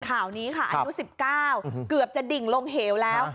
ข่านี้อันดุสิบเก้าเกือบจะดิ่งลงเหวแล้ว